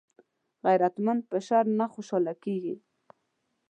غیرتمند په شر نه خوشحاله کېږي